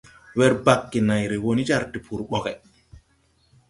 Wer bagge nāyre wō ni jar tpur boge.